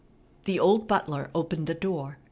The old butler opened the door.